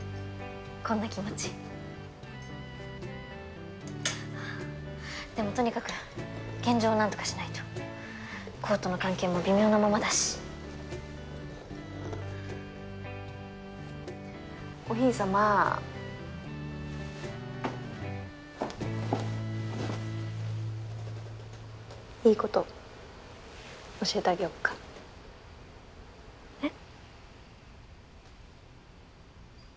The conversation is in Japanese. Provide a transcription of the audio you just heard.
こんな気持ちでもとにかく現状をなんとかしないと煌との関係も微妙なままだしお姫様いいこと教えてあげよっかえっ？